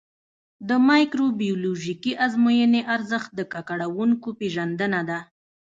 د مایکروبیولوژیکي ازموینې ارزښت د ککړونکو پېژندنه ده.